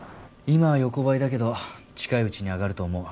今は横ばいだけど近いうちに上がると思う。